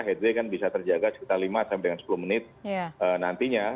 headway kan bisa terjaga sekitar lima sampai dengan sepuluh menit nantinya